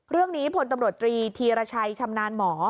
เรื่องนี้พลตำรวจตรีธีรชัยชำนาญหมอ